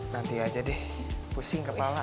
nanti aja deh pusing kepala